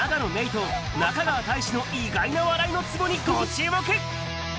郁と中川大志の意外な笑いのツボにご注目。